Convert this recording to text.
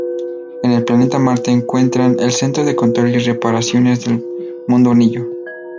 En el planeta Marte encuentran el centro de control y reparaciones del Mundo Anillo.